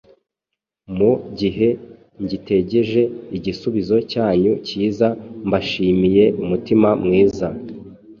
Mu gihe ngitegeje igisubizo cyanyu kiza, mbashimiye umutima mwiza